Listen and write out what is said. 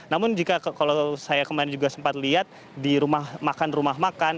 namun jika kalau saya kemarin juga sempat lihat di rumah makan rumah makan